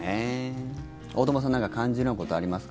大友さん、何か感じるようなことありますか。